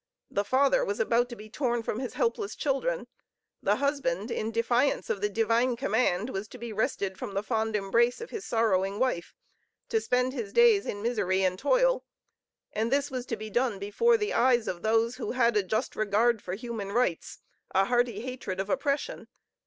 The father was about to be torn from his helpless children; the husband in defiance of the Divine command, was to be wrested from the fond embrace of his sorrowing wife, to spend his days in misery and toil. And this was to be done before the eyes of those who had a just regard for human rights, a hearty hatred of oppression.